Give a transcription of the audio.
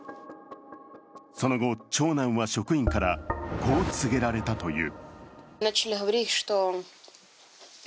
その後、長男は職員からこう告げられたという。